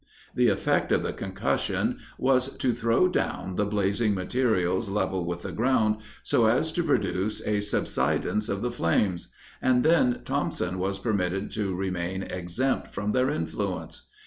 The effect of the concussion was to throw down the blazing materials level with the ground, so as to produce a subsidence of the flames, and then Thompson was permitted to remain exempt from their influence.